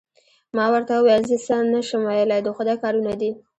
ما ورته وویل: زه څه نه شم ویلای، د خدای کارونه دي.